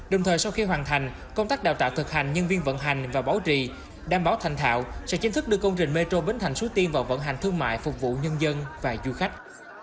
đồng thời sau khi hoàn thành công tác đào tạo thực hành nhân viên vận hành và bảo trì đảm bảo thành thạo sẽ chính thức đưa công trình metro bến thành suối tiên vào vận hành thương mại phục vụ nhân dân và du khách